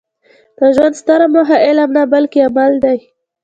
د ژوند ستره موخه علم نه؛ بلکي عمل دئ.